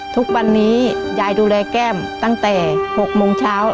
ทุกวันนี้ยายดูแลแก้มตั้งแต่๖โมงเช้า